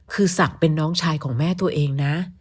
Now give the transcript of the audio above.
คือศักดิ์เป็นน้องชายของแม่ตัวเองนะ